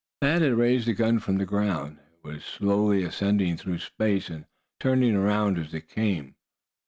Thad had raised the gun from the ground. It was slowly ascending through space, and turning around as it came.